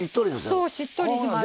しっとりします。